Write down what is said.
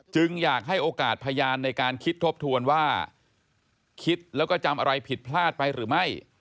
อยากให้โอกาสพยานในการคิดทบทวนว่าคิดแล้วก็จำอะไรผิดพลาดไปหรือไม่